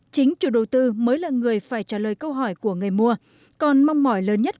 chính chủ đầu tư mới là người phải trả lời câu hỏi của người mua